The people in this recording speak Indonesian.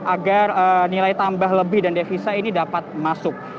agar nilai tambah lebih dan devisa ini dapat masuk